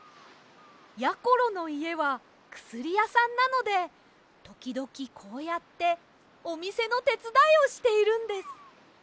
やころのいえはくすりやさんなのでときどきこうやっておみせのてつだいをしているんです。